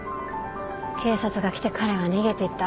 警察が来て彼は逃げていった。